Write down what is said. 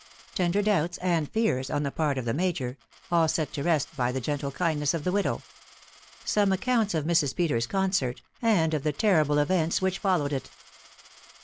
TENDER DOUBTS AND FEARS, ON THE PART OF THE MAJOR, ALL SET TO REST BY THE GENTLE KINDNESS OF THE WIDOW. SOME ACCOUNT OF MRS. PETERS* S CONCERT, AND OF THE TERRIBLE EVENTS WHICH FOLLOWED IT.